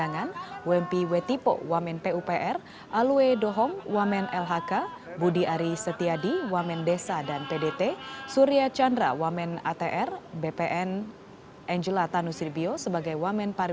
dua belas calon wakil menteri tersebut adalah